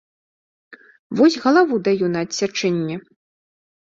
Вось галаву даю на адсячэнне!